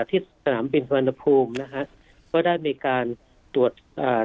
ที่สนามบินสุวรรณภูมินะฮะก็ได้มีการตรวจอ่า